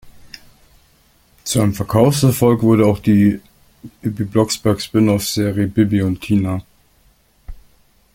Zu einem Verkaufserfolg wurde auch die Bibi-Blocksberg-Spin-off-Serie "Bibi und Tina".